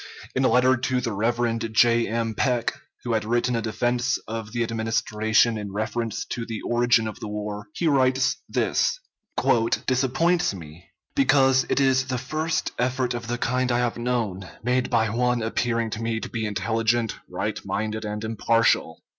In a letter to the Rev. J. M. Peck, who had written a defense of the Administration in reference to the origin of the war, he writes: this "disappoints me, because it is the first effort of the kind I have known, made by one appearing to me to be intelligent, right minded, and impartial."